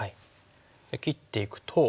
切っていくと。